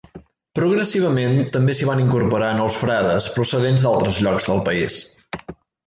Progressivament també s'hi van incorporar nous frares procedents d'altres llocs del país.